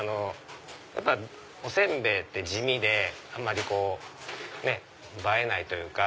やっぱお煎餅って地味であんまり映えないというか。